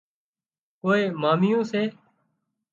ڪوئي ماميون سي